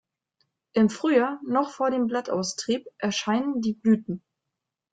Im Frühjahr, noch vor dem Blattaustrieb, erscheinen die Blüten.